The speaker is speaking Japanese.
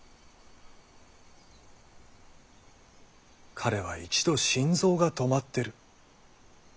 彼は一度心臓が止まってる。